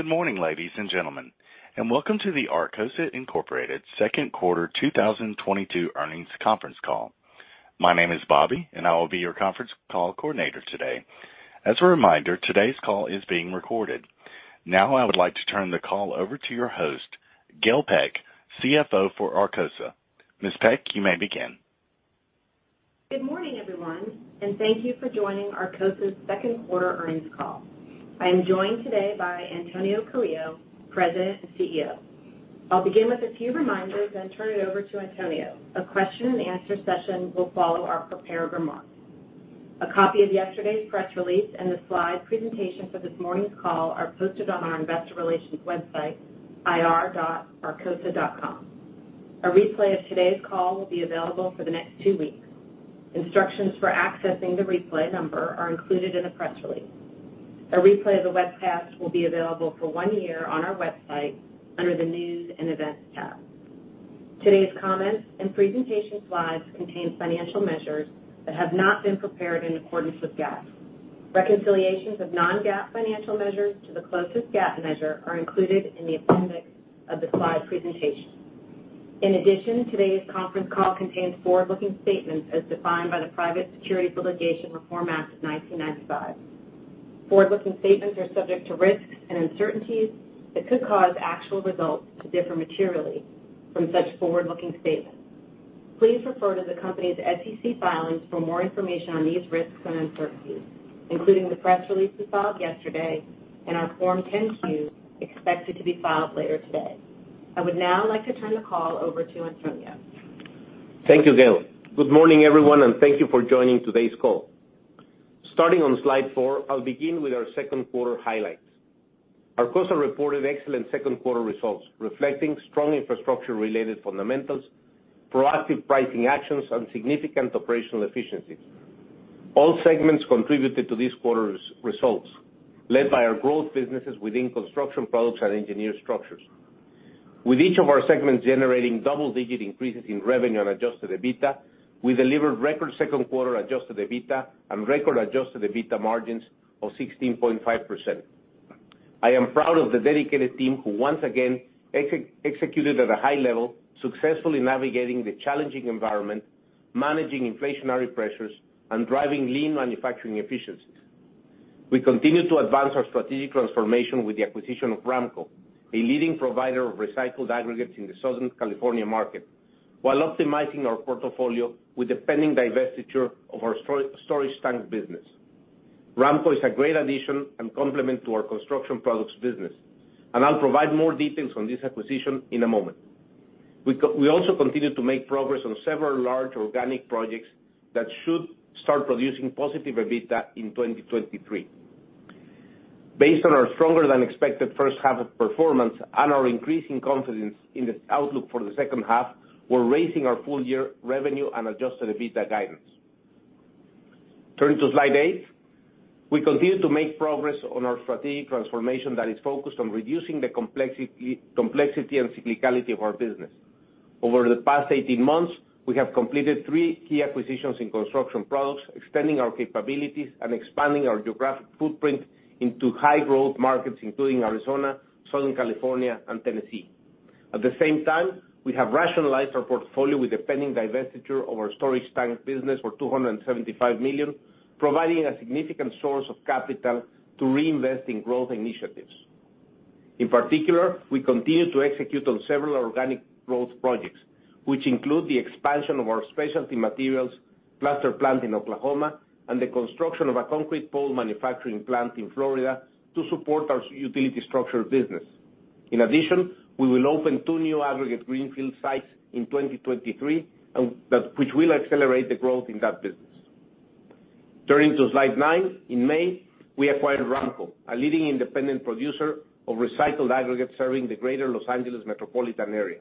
Good morning, ladies and gentlemen, and welcome to the Arcosa, Inc second quarter 2022 earnings conference call. My name is Bobby, and I will be your conference call coordinator today. As a reminder, today's call is being recorded. Now, I would like to turn the call over to your host, Gail Peck, CFO for Arcosa. Ms. Peck, you may begin. Good morning, everyone, and thank you for joining Arcosa's second quarter earnings call. I am joined today by Antonio Carrillo, President and CEO. I'll begin with a few reminders and turn it over to Antonio. A question-and-answer session will follow our prepared remarks. A copy of yesterday's press release and the slide presentation for this morning's call are posted on our investor relations website, ir.arcosa.com. A replay of today's call will be available for the next two weeks. Instructions for accessing the replay number are included in the press release. A replay of the webcast will be available for one year on our website under the News and Events tab. Today's comments and presentation slides contain financial measures that have not been prepared in accordance with GAAP. Reconciliations of non-GAAP financial measures to the closest GAAP measure are included in the appendix of the slide presentation. In addition, today's conference call contains forward-looking statements as defined by the Private Securities Litigation Reform Act of 1995. Forward-looking statements are subject to risks and uncertainties that could cause actual results to differ materially from such forward-looking statements. Please refer to the company's SEC filings for more information on these risks and uncertainties, including the press release we filed yesterday and our Form 10-Q, expected to be filed later today. I would now like to turn the call over to Antonio. Thank you, Gail. Good morning, everyone, and thank you for joining today's call. Starting on slide four, I'll begin with our second quarter highlights. Arcosa reported excellent second quarter results, reflecting strong infrastructure-related fundamentals, proactive pricing actions, and significant operational efficiencies. All segments contributed to this quarter's results, led by our growth businesses within Construction Products and Engineered Structures. With each of our segments generating double-digit increases in revenue and adjusted EBITDA, we delivered record second quarter adjusted EBITDA and record adjusted EBITDA margins of 16.5%. I am proud of the dedicated team who once again executed at a high level, successfully navigating the challenging environment, managing inflationary pressures, and driving lean manufacturing efficiencies. We continue to advance our strategic transformation with the acquisition of RAMCO, a leading provider of recycled aggregates in the Southern California market, while optimizing our portfolio with the pending divestiture of our storage tanks business. RAMCO is a great addition and complement to our Construction Products business, and I'll provide more details on this acquisition in a moment. We also continue to make progress on several large organic projects that should start producing positive EBITDA in 2023. Based on our stronger than expected first half of performance and our increasing confidence in the outlook for the second half, we're raising our full year revenue and adjusted EBITDA guidance. Turning to slide eight. We continue to make progress on our strategic transformation that is focused on reducing the complexity and cyclicality of our business. Over the past 18 months, we have completed three key acquisitions in Construction Products, extending our capabilities and expanding our geographic footprint into high-growth markets, including Arizona, Southern California, and Tennessee. At the same time, we have rationalized our portfolio with the pending divestiture of our storage tanks business for $275 million, providing a significant source of capital to reinvest in growth initiatives. In particular, we continue to execute on several organic growth projects, which include the expansion of our specialty materials plaster plant in Oklahoma and the construction of a concrete pole manufacturing plant in Florida to support our steel utility structure business. In addition, we will open two new aggregate greenfield sites in 2023, which will accelerate the growth in that business. Turning to slide nine. In May, we acquired RAMCO, a leading independent producer of recycled aggregates serving the Greater Los Angeles metropolitan area.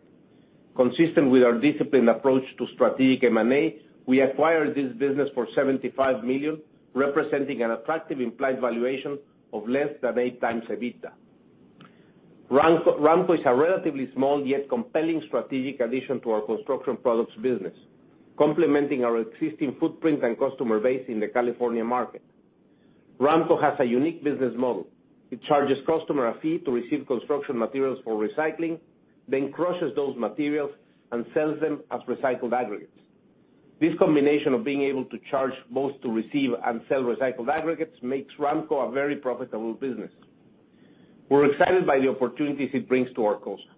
Consistent with our disciplined approach to strategic M&A, we acquired this business for $75 million, representing an attractive implied valuation of less than 8x EBITDA. RAMCO is a relatively small yet compelling strategic addition to our Construction Products business, complementing our existing footprint and customer base in the California market. RAMCO has a unique business model. It charges customer a fee to receive construction materials for recycling, then crushes those materials and sells them as recycled aggregates. This combination of being able to charge both to receive and sell recycled aggregates makes RAMCO a very profitable business. We're excited by the opportunities it brings to Arcosa.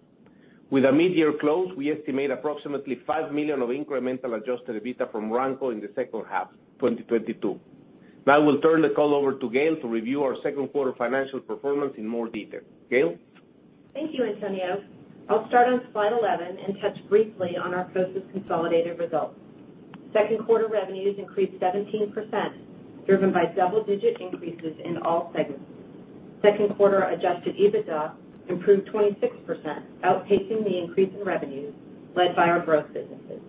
With a mid-year close, we estimate approximately $5 million of incremental adjusted EBITDA from RAMCO in the second half 2022. Now, we'll turn the call over to Gail to review our second quarter financial performance in more detail. Gail? Thank you, Antonio. I'll start on slide 11 and touch briefly on Arcosa's consolidated results. Second quarter revenues increased 17%, driven by double-digit increases in all segments. Second quarter adjusted EBITDA improved 26%, outpacing the increase in revenues led by our growth businesses.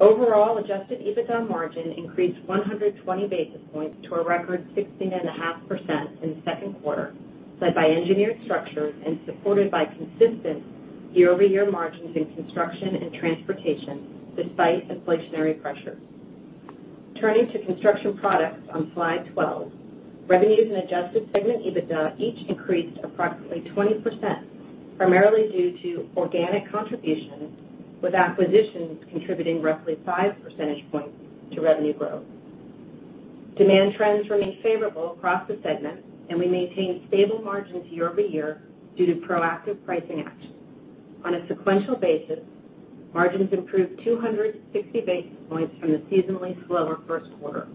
Overall, adjusted EBITDA margin increased 120 basis points to a record 16.5% in the second quarter, led by Engineered Structures and supported by consistent year-over-year margins in construction and transportation despite inflationary pressures. Turning to Construction Products on slide 12. Revenues and adjusted segment EBITDA each increased approximately 20%, primarily due to organic contributions, with acquisitions contributing roughly five percentage points to revenue growth. Demand trends remain favorable across the segment, and we maintain stable margins year-over-year due to proactive pricing actions. On a sequential basis, margins improved 260 basis points from the seasonally slower first quarter.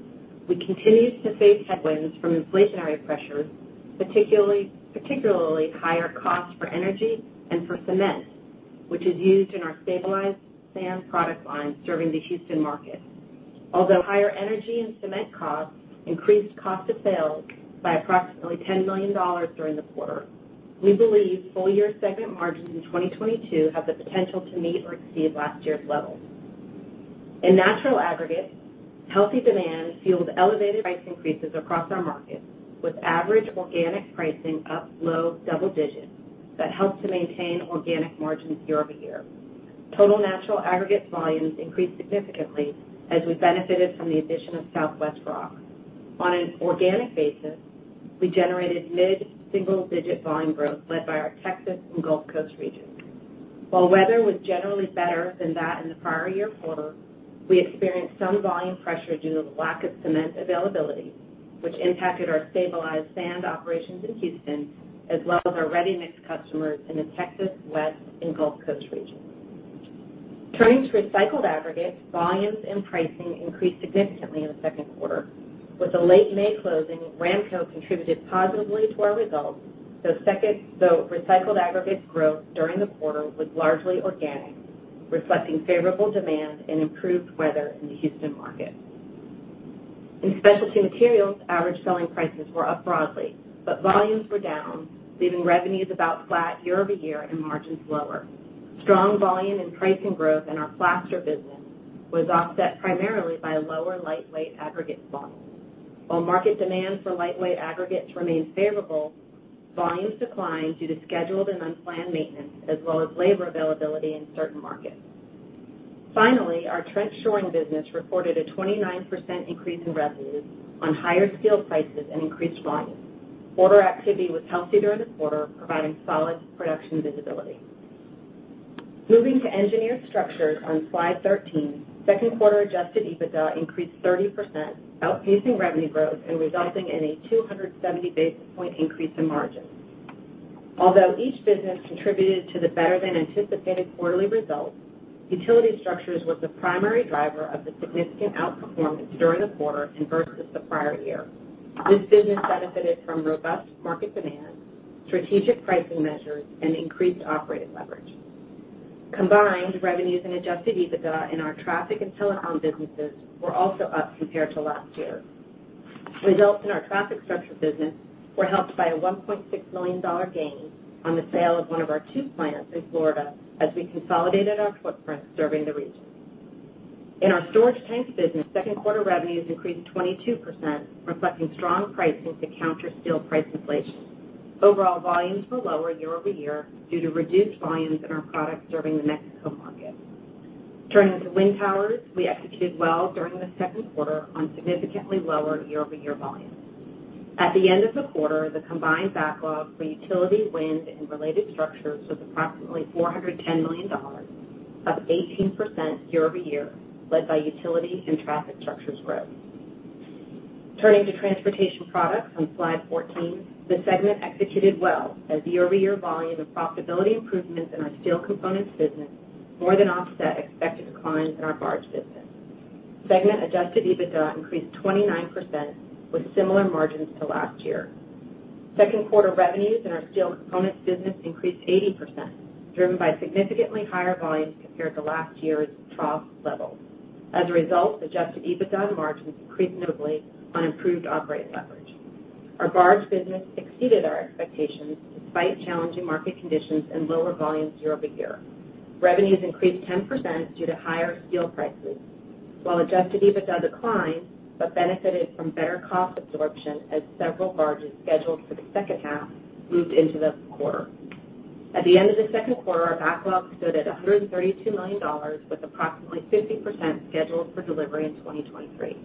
We continue to face headwinds from inflationary pressures, particularly higher costs for energy and for cement, which is used in our stabilized sand product line serving the Houston market. Although higher energy and cement costs increased cost of sales by approximately $10 million during the quarter, we believe full year segment margins in 2022 have the potential to meet or exceed last year's levels. In Natural Aggregates, healthy demand fueled elevated price increases across our markets, with average organic pricing up low double digits that helped to maintain organic margins year-over-year. Total natural aggregates volumes increased significantly as we benefited from the addition of Southwest Rock. On an organic basis, we generated mid-single digit volume growth led by our Texas and Gulf Coast regions. While weather was generally better than that in the prior year quarter, we experienced some volume pressure due to the lack of cement availability, which impacted our stabilized sand operations in Houston, as well as our ready-mix customers in the Texas West and Gulf Coast regions. Turning to Recycled Aggregates, volumes and pricing increased significantly in the second quarter. With the late May closing, RAMCO contributed positively to our results, though recycled aggregates growth during the quarter was largely organic, reflecting favorable demand and improved weather in the Houston market. In Specialty Materials, average selling prices were up broadly, but volumes were down, leaving revenues about flat year-over-year and margins lower. Strong volume and pricing growth in our plaster business was offset primarily by lower lightweight aggregate volumes. While market demand for lightweight aggregates remains favorable, volumes declined due to scheduled and unplanned maintenance as well as labor availability in certain markets. Finally, our trench shoring business reported a 29% increase in revenues on higher steel prices and increased volumes. Order activity was healthy during the quarter, providing solid production visibility. Moving to Engineered Structures on slide 13. Second quarter adjusted EBITDA increased 30%, outpacing revenue growth and resulting in a 270 basis point increase in margins. Although each business contributed to the better-than-anticipated quarterly results, Utility Structures was the primary driver of the significant outperformance during the quarter and versus the prior year. This business benefited from robust market demand, strategic pricing measures and increased operating leverage. Combined, revenues and adjusted EBITDA in our traffic and telecom businesses were also up compared to last year. Results in our traffic structure business were helped by a $1.6 million gain on the sale of one of our two plants in Florida as we consolidated our footprint serving the region. In our storage tanks business, second quarter revenues increased 22%, reflecting strong pricing to counter steel price inflation. Overall volumes were lower year-over-year due to reduced volumes in our products serving the Mexico market. Turning to wind towers. We executed well during the second quarter on significantly lower year-over-year volumes. At the end of the quarter, the combined backlog for utility, wind and related structures was approximately $410 million, up 18% year-over-year, led by utility and traffic structures growth. Turning to Transportation Products on slide 14. The segment executed well as year-over-year volume and profitability improvements in our steel components business more than offset expected declines in our barge business. Segment adjusted EBITDA increased 29% with similar margins to last year. Second quarter revenues in our steel components business increased 80%, driven by significantly higher volumes compared to last year's trough levels. As a result, adjusted EBITDA margins increased notably on improved operating leverage. Our barge business exceeded our expectations despite challenging market conditions and lower volumes year-over-year. Revenues increased 10% due to higher steel prices, while adjusted EBITDA declined but benefited from better cost absorption as several barges scheduled for the second half moved into the quarter. At the end of the second quarter, our backlog stood at $132 million, with approximately 50% scheduled for delivery in 2023.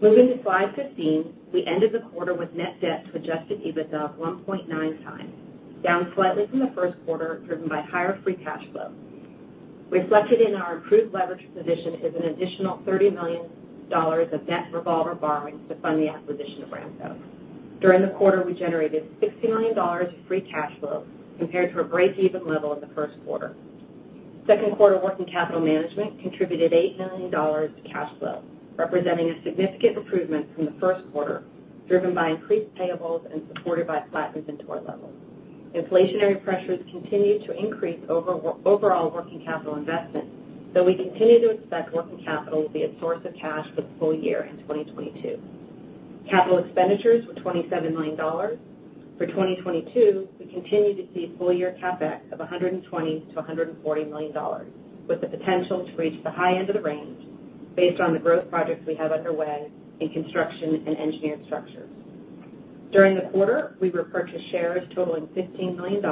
Moving to slide 15. We ended the quarter with net debt to adjusted EBITDA of 1.9x, down slightly from the first quarter, driven by higher free cash flow. Reflected in our improved leverage position is an additional $30 million of net revolver borrowings to fund the acquisition of RAMCO. During the quarter, we generated $60 million of free cash flow compared to a break-even level in the first quarter. Second quarter working capital management contributed $8 million to cash flow, representing a significant improvement from the first quarter, driven by increased payables and supported by flat inventory levels. Inflationary pressures continue to increase overall working capital investment, though we continue to expect working capital will be a source of cash for the full year in 2022. Capital expenditures were $27 million. For 2022, we continue to see full year CapEx of $120 million-$140 million, with the potential to reach the high end of the range based on the growth projects we have underway in construction and Engineered Structures. during the quarter, we repurchased shares totaling $15 million,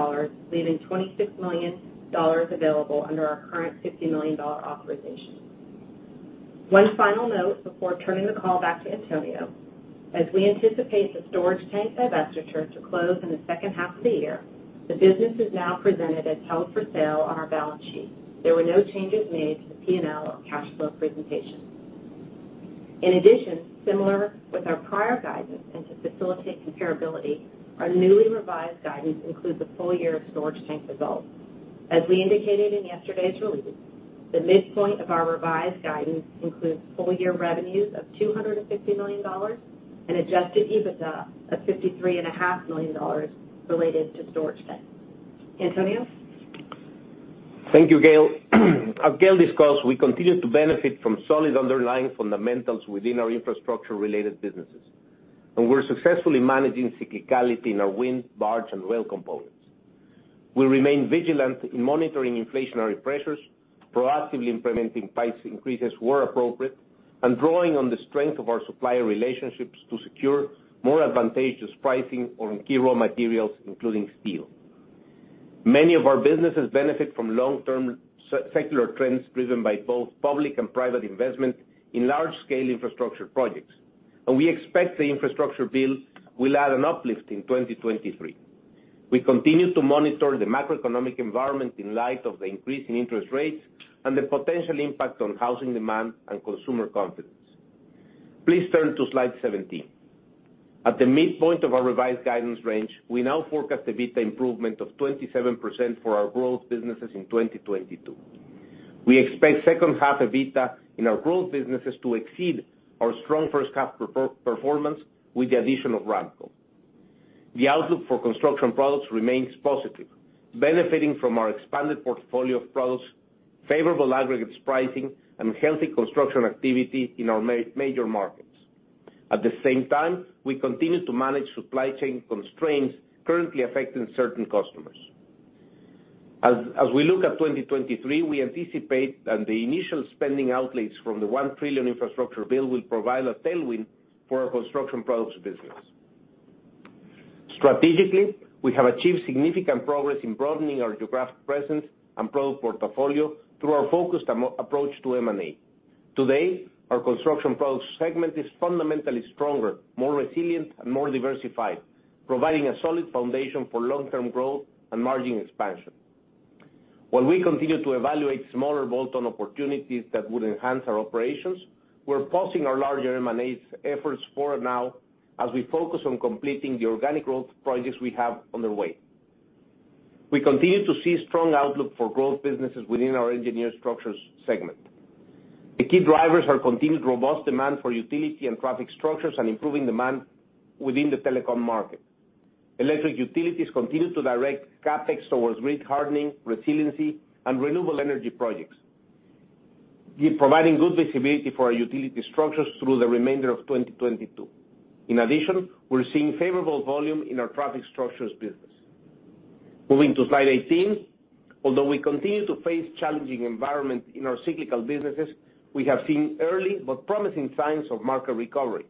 leaving $26 million available under our current $50 million authorization. One final note before turning the call back to Antonio. As we anticipate the storage tank divestiture to close in the second half of the year, the business is now presented as held for sale on our balance sheet. There were no changes made to the P&L or cash flow presentation. In addition, similar with our prior guidance and to facilitate comparability, our newly revised guidance includes a full year of storage tank results. As we indicated in yesterday's release, the midpoint of our revised guidance includes full year revenues of $250 million and adjusted EBITDA of $53.5 million related to storage tanks. Antonio? Thank you, Gail. As Gail discussed, we continue to benefit from solid underlying fundamentals within our infrastructure-related businesses, and we're successfully managing cyclicality in our wind, barge, and rail components. We remain vigilant in monitoring inflationary pressures, proactively implementing price increases where appropriate, and drawing on the strength of our supplier relationships to secure more advantageous pricing on key raw materials, including steel. Many of our businesses benefit from long-term secular trends driven by both public and private investment in large-scale infrastructure projects, and we expect the infrastructure bill will add an uplift in 2023. We continue to monitor the macroeconomic environment in light of the increase in interest rates and the potential impact on housing demand and consumer confidence. Please turn to slide 17. At the midpoint of our revised guidance range, we now forecast EBITDA improvement of 27% for our growth businesses in 2022. We expect second half EBITDA in our growth businesses to exceed our strong first half performance with the addition of RAMCO. The outlook for Construction Products remains positive, benefiting from our expanded portfolio of products, favorable aggregates pricing, and healthy construction activity in our major markets. At the same time, we continue to manage supply chain constraints currently affecting certain customers. As we look at 2023, we anticipate that the initial spending outlays from the $1 trillion infrastructure bill will provide a tailwind for our Construction Products business. Strategically, we have achieved significant progress in broadening our geographic presence and product portfolio through our focused approach to M&A. Today, our Construction Products segment is fundamentally stronger, more resilient, and more diversified, providing a solid foundation for long-term growth and margin expansion. While we continue to evaluate smaller bolt-on opportunities that would enhance our operations, we're pausing our larger M&A efforts for now as we focus on completing the organic growth projects we have underway. We continue to see strong outlook for growth businesses within our Engineered Structures segment. The key drivers are continued robust demand for utility and traffic structures and improving demand within the telecom market. Electric utilities continue to direct CapEx towards grid hardening, resiliency, and renewable energy projects, providing good visibility for our utility structures through the remainder of 2022. In addition, we're seeing favorable volume in our traffic structures business. Moving to slide 18. Although we continue to face challenging environment in our cyclical businesses, we have seen early but promising signs of market recovery.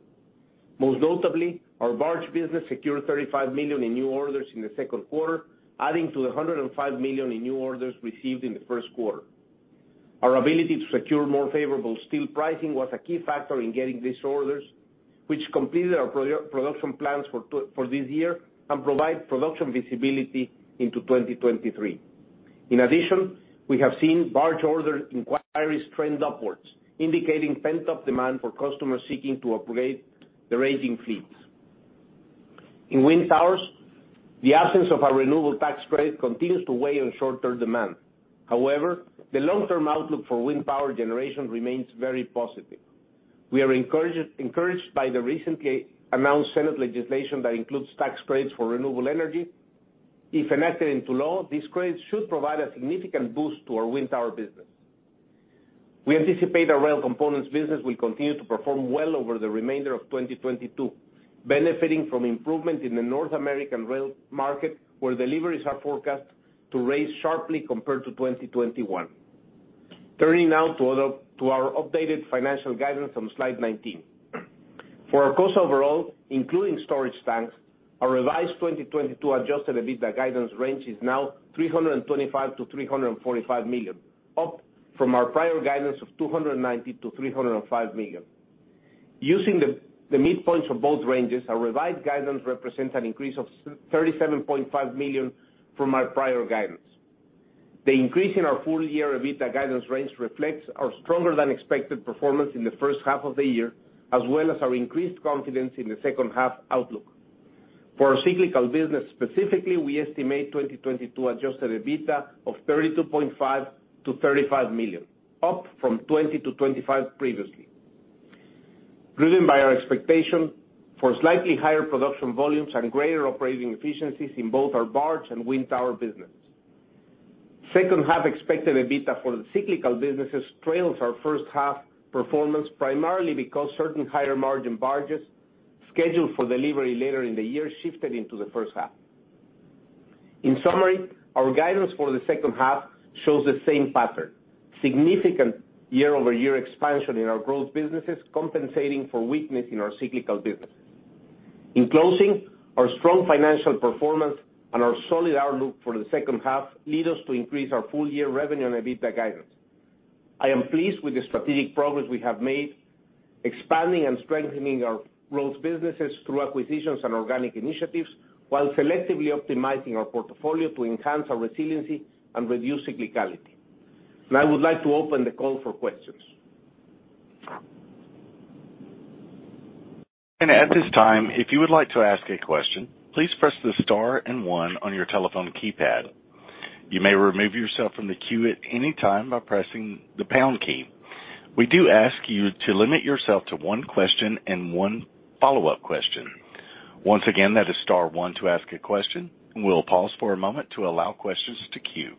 Most notably, our barge business secured $35 million in new orders in the second quarter, adding to the $105 million in new orders received in the first quarter. Our ability to secure more favorable steel pricing was a key factor in getting these orders, which completed our production plans for this year and provide production visibility into 2023. In addition, we have seen barge order inquiries trend upwards, indicating pent-up demand for customers seeking to upgrade their aging fleets. In wind towers, the absence of our renewable tax credit continues to weigh on short-term demand. However, the long-term outlook for wind power generation remains very positive. We are encouraged by the recently announced Senate legislation that includes tax credits for renewable energy. If enacted into law, these credits should provide a significant boost to our wind tower business. We anticipate our rail components business will continue to perform well over the remainder of 2022, benefiting from improvement in the North American rail market, where deliveries are forecast to rise sharply compared to 2021. Turning now to our updated financial guidance on slide 19. For our core overall, including storage tanks, our revised 2022 adjusted EBITDA guidance range is now $325 million-$345 million, up from our prior guidance of $290 million-$305 million. Using the midpoints for both ranges, our revised guidance represents an increase of $37.5 million from our prior guidance. The increase in our full year EBITDA guidance range reflects our stronger than expected performance in the first half of the year, as well as our increased confidence in the second half outlook. For our cyclical business specifically, we estimate 2022 adjusted EBITDA of $32.5 million-$35 million, up from $20 million-$25 million previously. Driven by our expectation for slightly higher production volumes and greater operating efficiencies in both our barge and wind tower business. Second half expected EBITDA for the cyclical businesses trails our first half performance primarily because certain higher margin barges scheduled for delivery later in the year shifted into the first half. In summary, our guidance for the second half shows the same pattern, significant year-over-year expansion in our growth businesses compensating for weakness in our cyclical businesses. In closing, our strong financial performance and our solid outlook for the second half lead us to increase our full-year revenue and EBITDA guidance. I am pleased with the strategic progress we have made expanding and strengthening our growth businesses through acquisitions and organic initiatives while selectively optimizing our portfolio to enhance our resiliency and reduce cyclicality. Now I would like to open the call for questions. At this time, if you would like to ask a question, please press the star and one on your telephone keypad. You may remove yourself from the queue at any time by pressing the pound key. We do ask you to limit yourself to one question and one follow-up question. Once again, that is star one to ask a question. We'll pause for a moment to allow questions to queue.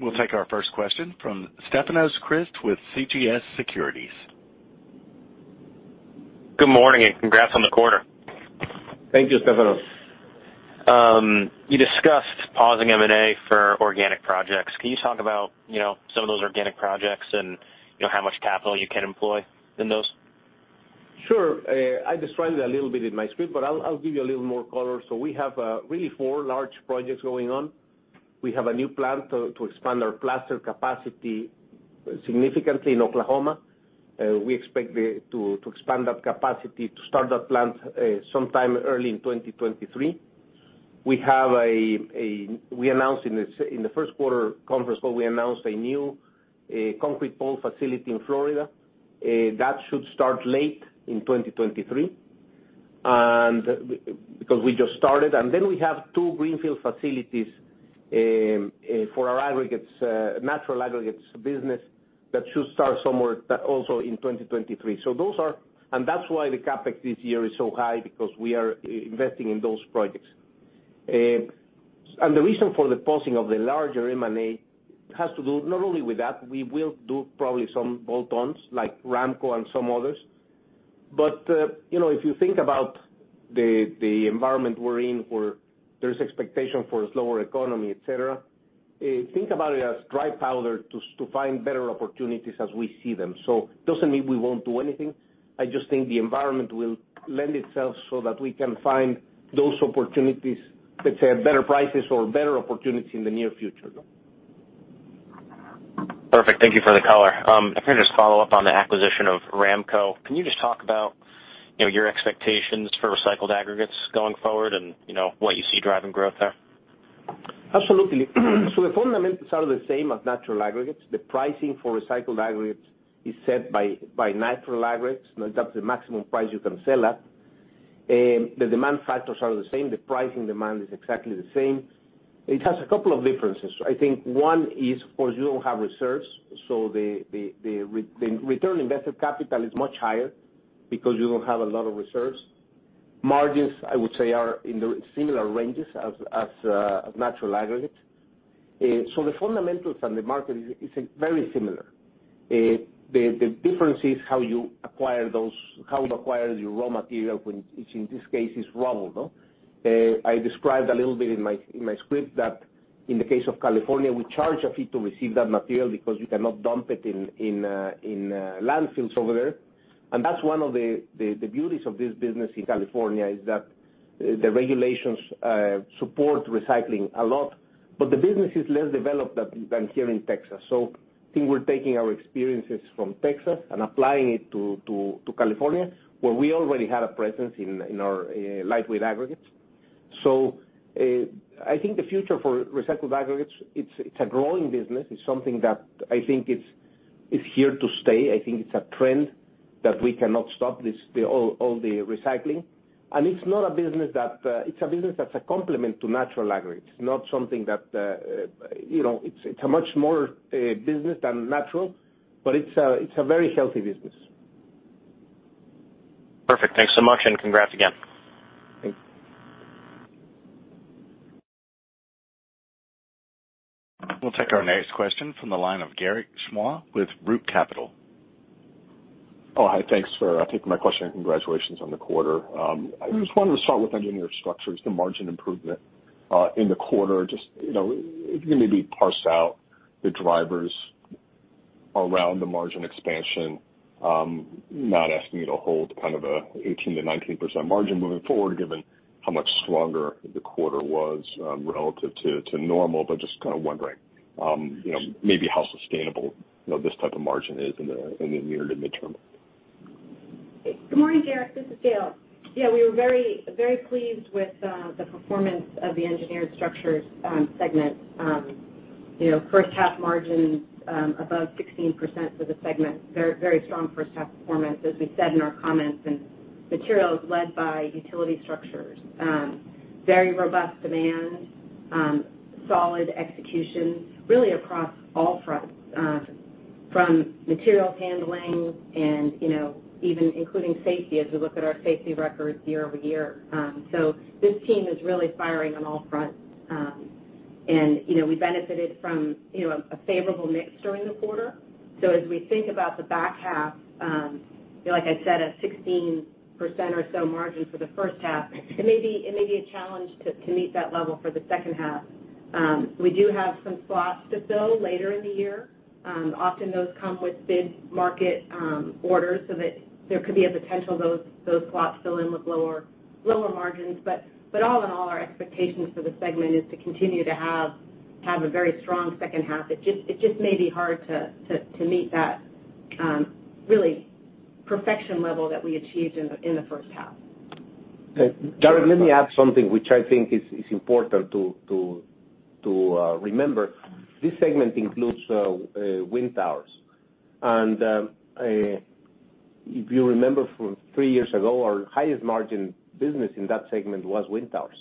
We'll take our first question from Stefanos Crist with CJS Securities. Good morning, and congrats on the quarter. Thank you, Stefanos. You discussed pausing M&A for organic projects. Can you talk about, you know, some of those organic projects and, you know, how much capital you can employ in those? Sure. I described it a little bit in my script, but I'll give you a little more color. We have really four large projects going on. We have a new plant to expand our plaster capacity significantly in Oklahoma. We expect to expand that capacity to start that plant sometime early in 2023. We announced in the first quarter conference call a new concrete pole facility in Florida that should start late in 2023, and because we just started. We have two greenfield facilities for our aggregates, natural aggregates business that should start somewhere also in 2023. Those are. That's why the CapEx this year is so high because we are investing in those projects. The reason for the pausing of the larger M&A has to do not only with that. We will do probably some bolt-ons like RAMCO and some others. You know, if you think about the environment we're in where there's expectation for a slower economy, et cetera, think about it as dry powder to find better opportunities as we see them. Doesn't mean we won't do anything. I just think the environment will lend itself so that we can find those opportunities, let's say, at better prices or better opportunities in the near future. Perfect. Thank you for the color. If I can just follow up on the acquisition of RAMCO. Can you just talk about, you know, your expectations for recycled aggregates going forward and, you know, what you see driving growth there? Absolutely. The fundamentals are the same as natural aggregates. The pricing for recycled aggregates is set by natural aggregates. Now that's the maximum price you can sell at. The demand factors are the same. The pricing demand is exactly the same. It has a couple of differences. I think one is, of course, you don't have reserves, so the return invested capital is much higher because you don't have a lot of reserves. Margins, I would say, are in the similar ranges as natural aggregate. The fundamentals and the market is very similar. The difference is how you acquire those, how you acquire your raw material, which in this case is rubble, no? I described a little bit in my script that in the case of California, we charge a fee to receive that material because you cannot dump it in landfills over there. That's one of the beauties of this business in California, is that the regulations support recycling a lot, but the business is less developed than here in Texas. I think we're taking our experiences from Texas and applying it to California, where we already had a presence in our lightweight aggregates. I think the future for recycled aggregates, it's a growing business. It's something that I think it's here to stay. I think it's a trend that we cannot stop all the recycling. It's not a business that, it's a business that's a complement to natural aggregates, not something that, you know, it's a much more business than natural, but it's a very healthy business. Perfect. Thanks so much, and congrats again. Thanks. We'll take our next question from the line of Garik Shmois with Loop Capital. Oh, hi. Thanks for taking my question. Congratulations on the quarter. I just wanted to start with Engineered Structures, the margin improvement in the quarter. Just, you know, if you can maybe parse out the drivers around the margin expansion. Not asking you to hold kind of an 18%-19% margin moving forward given how much stronger the quarter was, relative to normal, but just kind of wondering, you know, maybe how sustainable this type of margin is in the near to midterm. Good morning, Garik. This is Gail. Yeah. We were very, very pleased with the performance of the Engineered Structures segment. You know, first half margins above 16% for the segment. Very, very strong first half performance, as we said in our comments, and materials led by utility structures. Very robust demand, solid execution, really across all fronts, from materials handling and, you know, even including safety as we look at our safety records year-over-year. This team is really firing on all fronts. You know, we benefited from a favorable mix during the quarter. As we think about the back half, you know, like I said, a 16% or so margin for the first half, it may be a challenge to meet that level for the second half. We do have some slots to fill later in the year. Often those come with big market orders so that there could be a potential those slots fill in with lower margins. All in all, our expectations for the segment is to continue to have a very strong second half. It just may be hard to meet that really perfection level that we achieved in the first half. Garik, let me add something which I think is important to remember. This segment includes wind towers. If you remember from three years ago, our highest margin business in that segment was wind towers.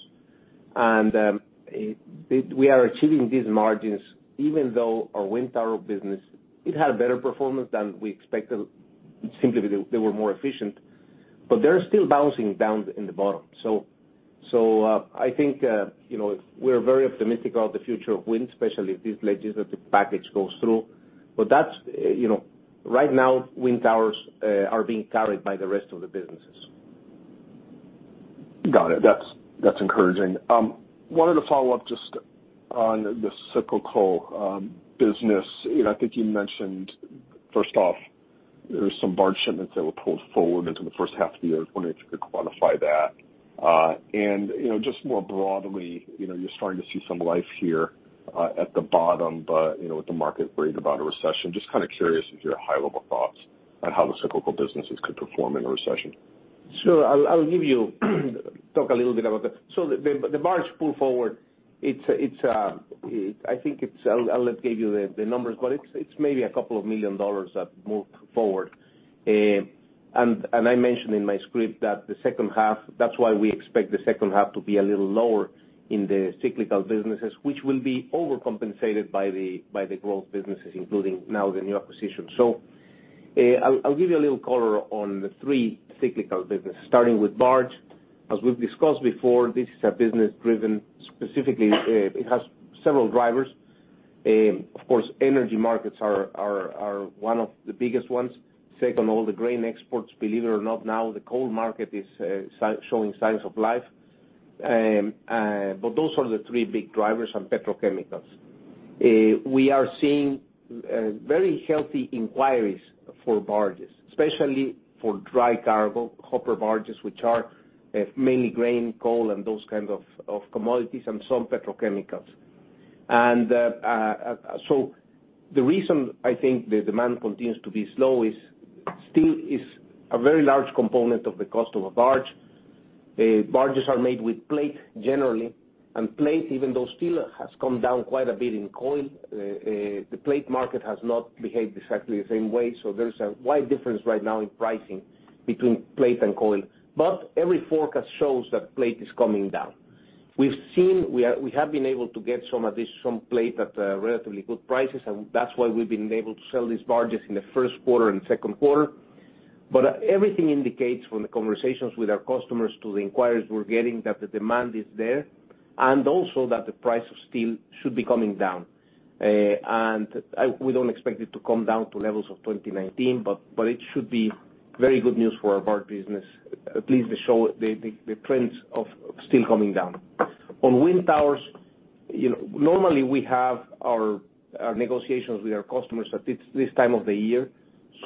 We are achieving these margins even though our wind tower business, it had a better performance than we expected. Simply, they were more efficient, but they're still bouncing down in the bottom. I think you know, we're very optimistic about the future of wind, especially if this legislative package goes through. That's you know, right now, wind towers are being carried by the rest of the businesses. Got it. That's encouraging. Wanted to follow up just on the cyclical business. You know, I think you mentioned first off, there's some barge shipments that were pulled forward into the first half of the year. I was wondering if you could quantify that. You know, just more broadly, you know, you're starting to see some life here at the bottom, but you know, with the market worried about a recession. Just kinda curious of your high-level thoughts on how the cyclical businesses could perform in a recession. Sure. I'll talk a little bit about that. The barge pull forward, it's. I think it's. I'll give you the numbers, but it's maybe $2 million that moved forward. And I mentioned in my script that the second half, that's why we expect the second half to be a little lower in the cyclical businesses, which will be overcompensated by the growth businesses, including now the new acquisition. I'll give you a little color on the three cyclical businesses, starting with barge. As we've discussed before, this is a business driven specifically. It has several drivers. Of course, energy markets are one of the biggest ones. Second, all the grain exports. Believe it or not, now the coal market is showing signs of life. Those are the three big drivers, and petrochemicals. We are seeing very healthy inquiries for barges, especially for dry cargo, hopper barges, which are mainly grain, coal, and those kinds of commodities, and some petrochemicals. The reason I think the demand continues to be slow is steel is a very large component of the cost of a barge. Barges are made with plate generally, and plate, even though steel has come down quite a bit in coil, the plate market has not behaved exactly the same way. There's a wide difference right now in pricing between plate and coil. Every forecast shows that plate is coming down. We've seen, we have been able to get some additional plate at, relatively good prices, and that's why we've been able to sell these barges in the first quarter and second quarter. Everything indicates from the conversations with our customers to the inquiries we're getting that the demand is there, and also that the price of steel should be coming down. We don't expect it to come down to levels of 2019, but it should be very good news for our barge business. At least they show the trends of steel coming down. On wind towers, you know, normally we have our negotiations with our customers at this time of the year.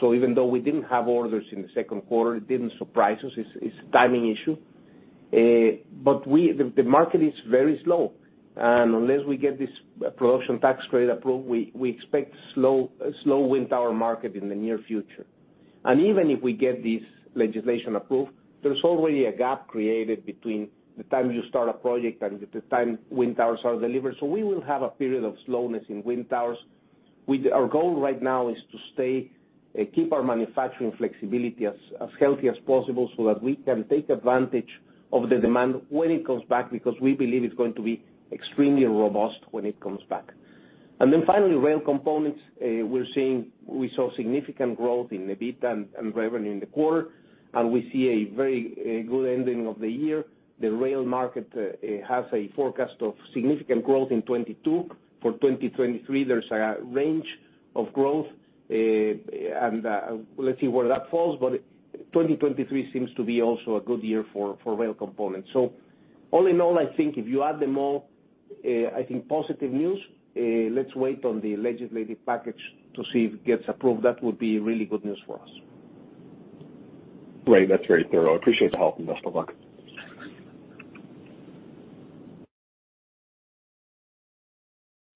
Even though we didn't have orders in the second quarter, it didn't surprise us. It's a timing issue. The market is very slow. Unless we get this Production Tax Credit approved, we expect a slow wind tower market in the near future. Even if we get this legislation approved, there's already a gap created between the time you start a project and the time wind towers are delivered. We will have a period of slowness in wind towers. Our goal right now is to keep our manufacturing flexibility as healthy as possible so that we can take advantage of the demand when it comes back, because we believe it's going to be extremely robust when it comes back. Finally, rail components. We saw significant growth in EBITDA and revenue in the quarter, and we see a very good ending of the year. The rail market has a forecast of significant growth in 2022. For 2023, there's a range of growth. Let's see where that falls. 2023 seems to be also a good year for rail components. All in all, I think if you add them all, I think positive news. Let's wait on the legislative package to see if it gets approved. That would be really good news for us. Great. That's very thorough. I appreciate the help, and best of luck.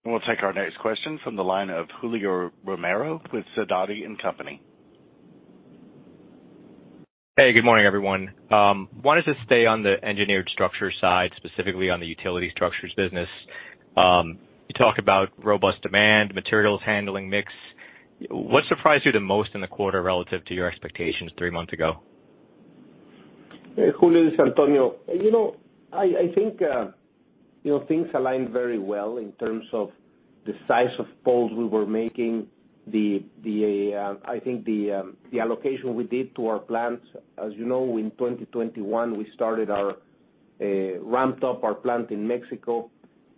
We'll take our next question from the line of Julio Romero with Sidoti & Company. Hey, good morning, everyone. Wanted to stay on the engineered structure side, specifically on the utility structures business. You talked about robust demand, materials handling mix. What surprised you the most in the quarter relative to your expectations three months ago? Hey, Julio. This is Antonio. You know, I think, you know, things aligned very well in terms of the size of poles we were making, the allocation we did to our plants. As you know, in 2021, we ramped up our plant in Mexico.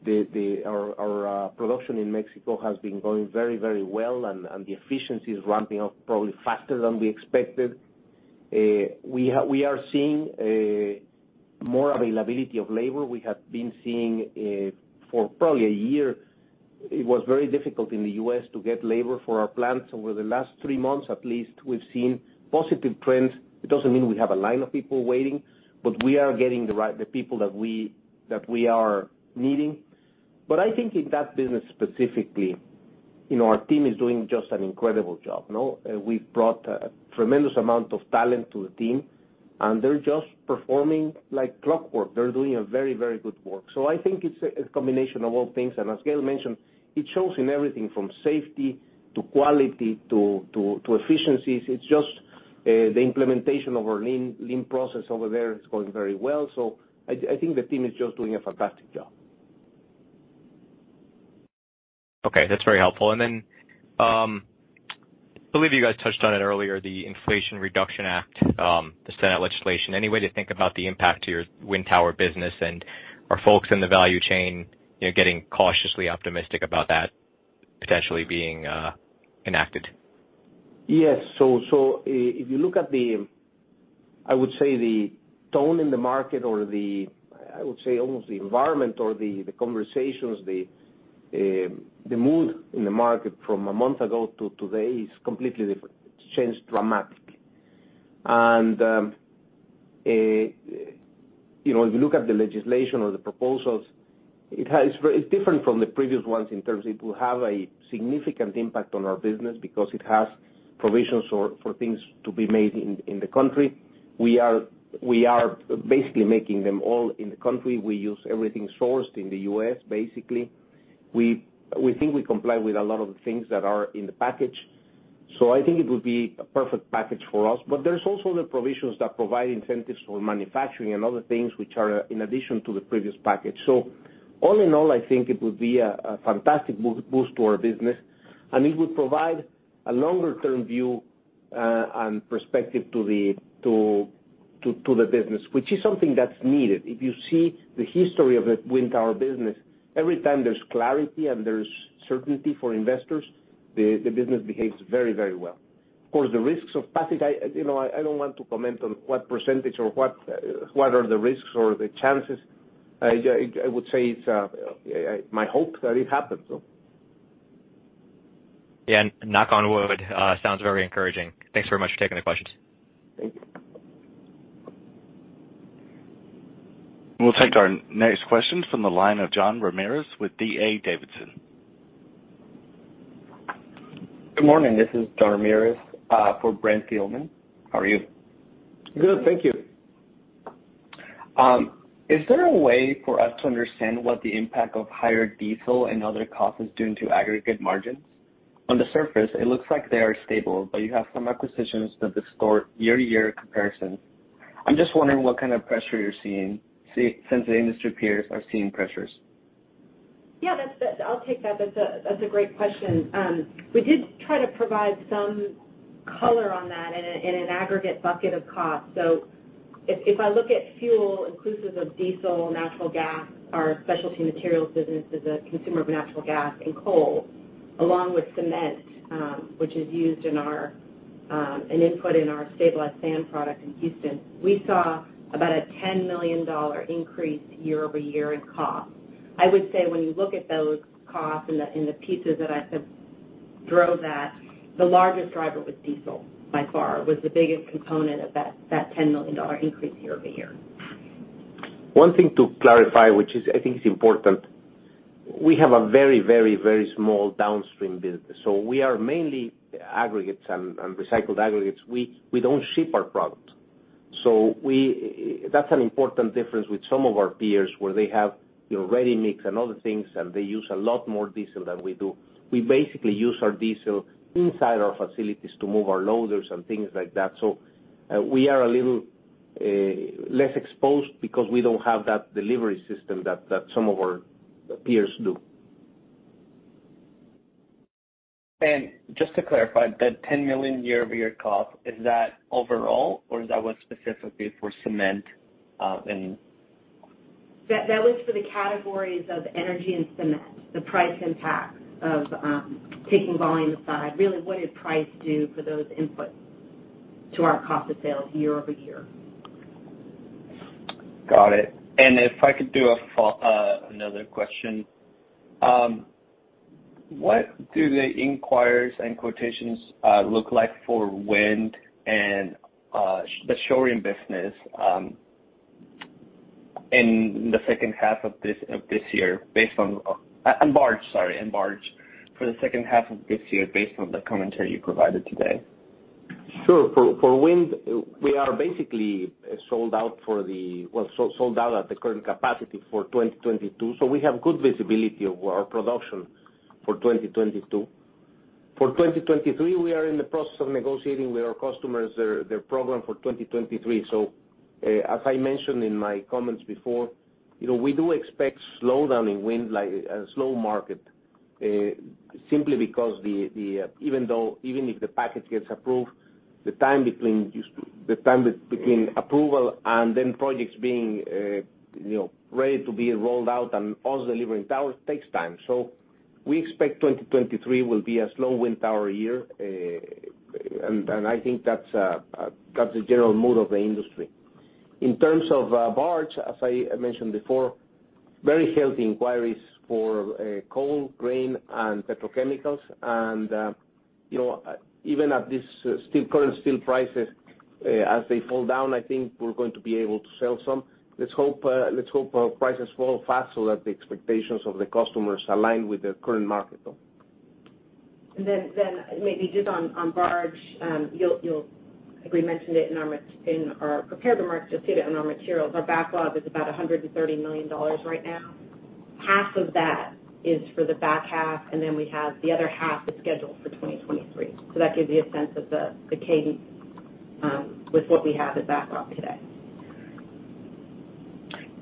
Our production in Mexico has been going very well, and the efficiency is ramping up probably faster than we expected. We are seeing more availability of labor. We have been seeing, for probably a year, it was very difficult in the U.S. to get labor for our plants. Over the last three months, at least, we've seen positive trends. It doesn't mean we have a line of people waiting, but we are getting the right people that we are needing. I think in that business specifically, you know, our team is doing just an incredible job, no? We've brought a tremendous amount of talent to the team, and they're just performing like clockwork. They're doing a very good work. I think it's a combination of all things. As Gail mentioned, it shows in everything from safety to quality to efficiencies. It's just the implementation of our lean process over there is going very well. I think the team is just doing a fantastic job. Okay, that's very helpful. Believe you guys touched on it earlier, the Inflation Reduction Act, the Senate legislation. Any way to think about the impact to your wind tower business, and are folks in the value chain, you know, getting cautiously optimistic about that potentially being enacted? Yes. If you look at the, I would say, the tone in the market or the, I would say, almost the environment or the conversations, the mood in the market from a month ago to today is completely different. It's changed dramatically. You know, if you look at the legislation or the proposals, it's different from the previous ones in terms it will have a significant impact on our business because it has provisions for things to be made in the country. We are basically making them all in the country. We use everything sourced in the U.S., basically. We think we comply with a lot of the things that are in the package. I think it would be a perfect package for us. There's also the provisions that provide incentives for manufacturing and other things which are in addition to the previous package. All in all, I think it would be a fantastic boost to our business, and it would provide a longer-term view and perspective to the business, which is something that's needed. If you see the history of the wind tower business, every time there's clarity and there's certainty for investors, the business behaves very, very well. Of course, the risks of passing. I don't want to comment on what percentage or what the risks or the chances are. I would say it's my hope that it happens so. Yeah, knock on wood. Sounds very encouraging. Thanks very much for taking the questions. We'll take our next question from the line of John Ramirez with D.A. Davidson. Good morning. This is John Ramirez, for Brent Thielman. How are you? Good, thank you. Is there a way for us to understand what the impact of higher diesel and other costs is doing to aggregate margins? On the surface, it looks like they are stable, but you have some acquisitions that distort year-to-year comparison. I'm just wondering what kind of pressure you're seeing since the industry peers are seeing pressures. Yeah, that's. I'll take that. That's a great question. We did try to provide some color on that in an aggregate bucket of costs. If I look at fuel inclusive of diesel, natural gas, our specialty materials business is a consumer of natural gas and coal, along with cement, which is used in an input in our stabilized sand product in Houston. We saw about a $10 million increase year-over-year in cost. I would say when you look at those costs and the pieces that I said drove that, the largest driver was diesel by far, the biggest component of that $10 million increase year-over-year. One thing to clarify, which is I think is important, we have a very small downstream business. We are mainly aggregates and recycled aggregates. We don't ship our products. That's an important difference with some of our peers, where they have, you know, ready mix and other things, and they use a lot more diesel than we do. We basically use our diesel inside our facilities to move our loaders and things like that. We are a little less exposed because we don't have that delivery system that some of our peers do. Just to clarify, that $10 million year-over-year cost, is that overall, or is that one specifically for cement? That was for the categories of energy and cement. The price impact of, taking volume aside, really what did price do for those inputs to our cost of sales year over year. Got it. If I could do another question. What do the inquiries and quotations look like for wind and the shoring business and barge in the second half of this year based on the commentary you provided today? Sure. For wind, we are basically sold out at the current capacity for 2022. We have good visibility of our production for 2022. For 2023, we are in the process of negotiating with our customers their program for 2023. As I mentioned in my comments before, you know, we do expect a slowdown in wind, a slow market, simply because even if the package gets approved, the time between approval and then projects being, you know, ready to be rolled out and us delivering towers takes time. We expect 2023 will be a slow wind tower year. I think that's the general mood of the industry. In terms of barge, as I mentioned before, very healthy inquiries for coal, grain, and petrochemicals. Even at this still current steel prices, as they fall down, I think we're going to be able to sell some. Let's hope our prices fall fast so that the expectations of the customers align with the current market though. Maybe just on barge. I think we mentioned it in our prepared remarks. You'll see that in our materials. Our backlog is about $130 million right now. Half of that is for the back half, and then we have the other half is scheduled for 2023. That gives you a sense of the cadence with what we have as backlog today.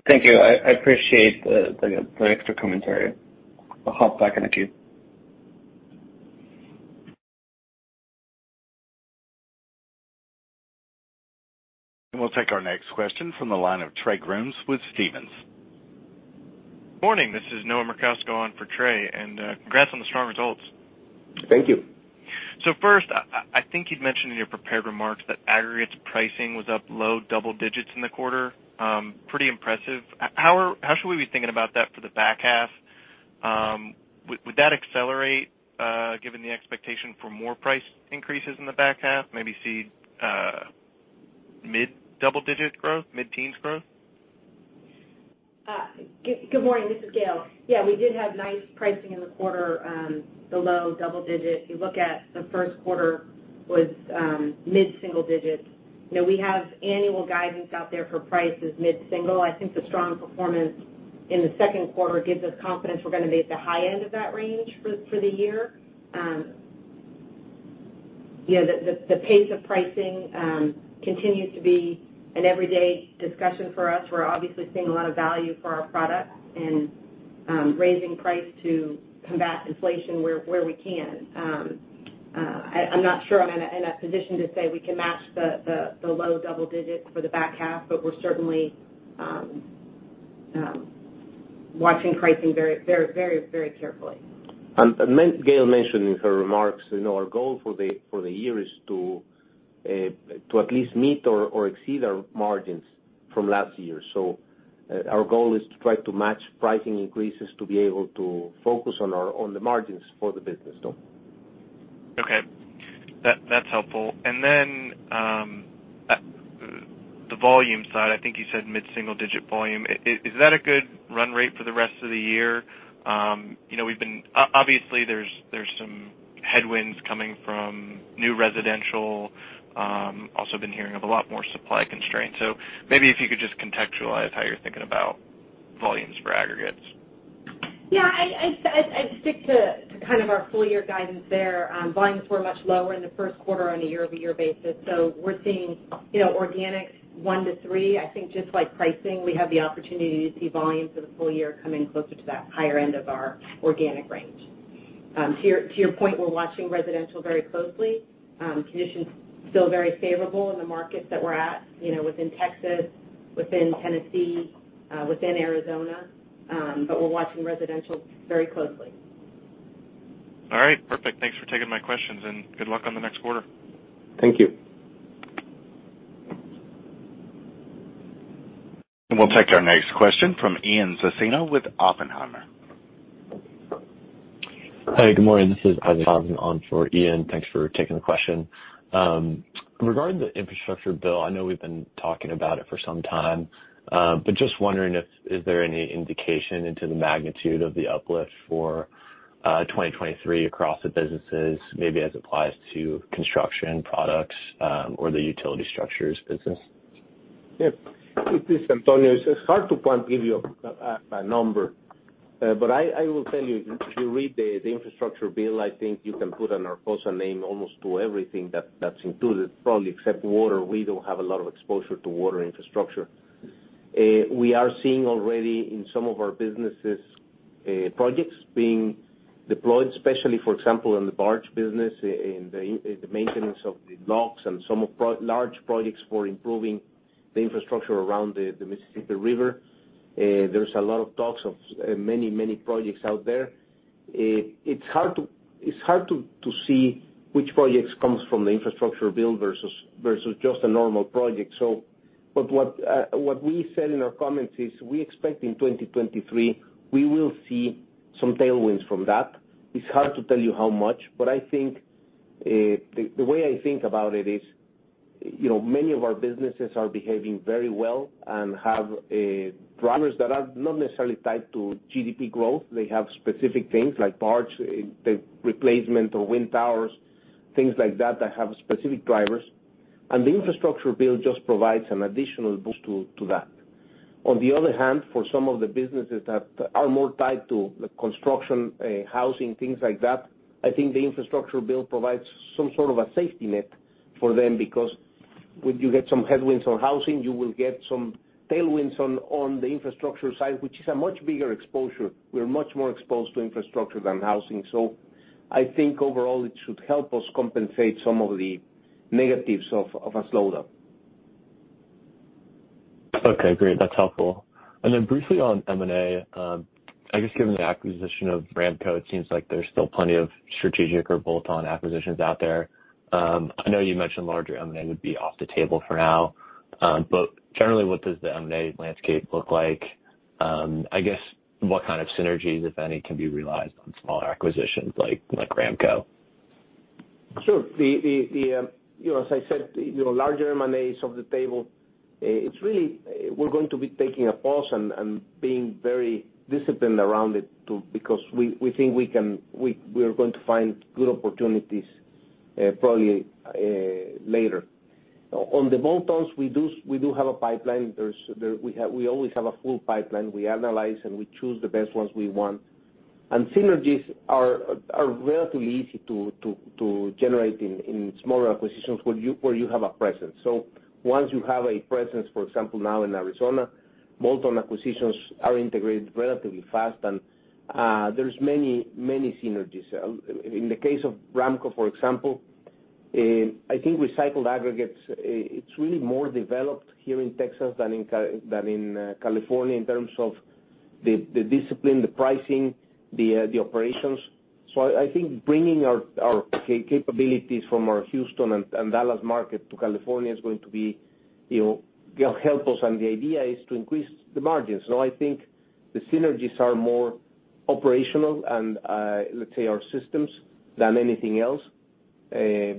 Thank you. I appreciate the extra commentary. I'll hop back in the queue. We'll take our next question from the line of Trey Grooms with Stephens. Morning, this is Noah Merkousko on for Trey, and, congrats on the strong results. Thank you. First, I think you'd mentioned in your prepared remarks that aggregates pricing was up low double digits in the quarter, pretty impressive. How should we be thinking about that for the back half? Would that accelerate, given the expectation for more price increases in the back half, maybe see mid-double digit growth, mid-teens growth? Good morning. This is Gail. Yeah, we did have nice pricing in the quarter, below double digits. If you look at the first quarter was mid-single digits. You know, we have annual guidance out there for pricing is mid-single. I think the strong performance in the second quarter gives us confidence we're gonna be at the high end of that range for the year. You know, the pace of pricing continues to be an everyday discussion for us. We're obviously seeing a lot of value for our products and raising price to combat inflation where we can. I'm not sure I'm in a position to say we can match the low double digits for the back half, but we're certainly watching pricing very carefully. Gail mentioned in her remarks, you know, our goal for the year is to at least meet or exceed our margins from last year. Our goal is to try to match pricing increases to be able to focus on our margins for the business though. Okay. That's helpful. The volume side, I think you said mid-single digit volume. Is that a good run rate for the rest of the year? You know, obviously, there's some headwinds coming from new residential, also been hearing of a lot more supply constraints. Maybe if you could just contextualize how you're thinking about volumes for aggregates. Yeah. I'd stick to kind of our full year guidance there. Volumes were much lower in the first quarter on a year-over-year basis, so we're seeing, you know, organic 1%-3%. I think just like pricing, we have the opportunity to see volumes for the full year coming closer to that higher end of our organic range. To your point, we're watching residential very closely. Conditions feel very favorable in the markets that we're at, you know, within Texas, within Tennessee, within Arizona, but we're watching residential very closely. All right. Perfect. Thanks for taking my questions, and good luck on the next quarter. Thank you. We'll take our next question from Ian Zaffino with Oppenheimer. Hi, good morning. This is [inaudible] on for Ian. Thanks for taking the question. Regarding the infrastructure bill, I know we've been talking about it for some time, but just wondering if there is any indication as to the magnitude of the uplift for 2023 across the businesses, maybe as it applies to Construction Products, or the utility structures business? Yeah. This is Antonio. It's hard to give you a number. I will tell you, if you read the infrastructure bill, I think you can put an Arcosa name almost to everything that's included, probably except water. We don't have a lot of exposure to water infrastructure. We are seeing already in some of our businesses projects being deployed, especially, for example, in the barge business, in the maintenance of the locks and some large projects for improving the infrastructure around the Mississippi River. There's a lot of talks of many projects out there. It's hard to see which projects comes from the infrastructure bill versus just a normal project. What we said in our comments is we expect in 2023, we will see some tailwinds from that. It's hard to tell you how much, but I think the way I think about it is, you know, many of our businesses are behaving very well and have drivers that are not necessarily tied to GDP growth. They have specific things like barge, the replacement of wind towers, things like that have specific drivers. The infrastructure bill just provides an additional boost to that. On the other hand, for some of the businesses that are more tied to the construction, housing, things like that, I think the infrastructure bill provides some sort of a safety net for them because when you get some headwinds on housing, you will get some tailwinds on the infrastructure side, which is a much bigger exposure. We're much more exposed to infrastructure than housing. I think overall, it should help us compensate some of the negatives of a slowdown. Okay, great. That's helpful. Briefly on M&A, I guess given the acquisition of RAMCO, it seems like there's still plenty of strategic or bolt-on acquisitions out there. I know you mentioned larger M&A would be off the table for now. Generally, what does the M&A landscape look like? I guess, what kind of synergies, if any, can be realized on smaller acquisitions like RAMCO? Sure. The you know, as I said, you know, larger M&A is off the table. It's really we're going to be taking a pause and being very disciplined around it to because we think we are going to find good opportunities probably later. On the bolt-ons, we do have a pipeline. We always have a full pipeline. We analyze, and we choose the best ones we want. Synergies are relatively easy to generate in smaller acquisitions where you have a presence. Once you have a presence, for example, now in Arizona, bolt-on acquisitions are integrated relatively fast, and there's many synergies. In the case of RAMCO, for example, I think recycled aggregates, it's really more developed here in Texas than in California in terms of the discipline, the pricing, the operations. I think bringing our capabilities from our Houston and Dallas market to California is going to be, you know, gonna help us, and the idea is to increase the margins. I think the synergies are more operational and, let's say our systems than anything else.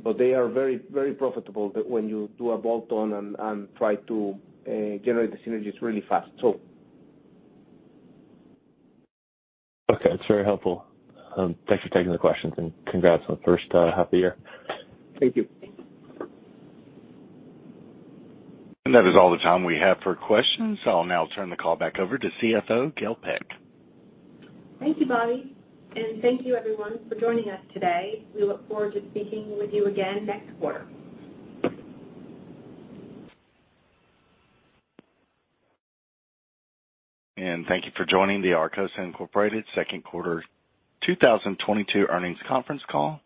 But they are very, very profitable that when you do a bolt-on and try to generate the synergies really fast. Okay. It's very helpful. Thanks for taking the questions and congrats on the first half of the year. Thank you. That is all the time we have for questions. I'll now turn the call back over to CFO Gail Peck. Thank you, Bobby, and thank you everyone for joining us today. We look forward to speaking with you again next quarter. Thank you for joining the Arcosa, Inc second quarter 2022 earnings conference call.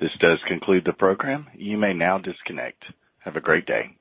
This does conclude the program. You may now disconnect. Have a great day.